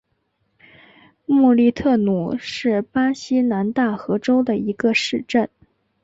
穆利特努是巴西南大河州的一个市镇。